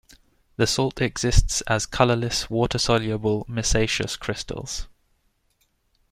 The salt exists as colourless, water-soluble, micaceous crystals.